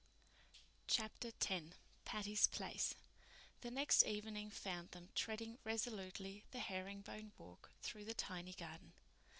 Chapter X Patty's Place The next evening found them treading resolutely the herring bone walk through the tiny garden.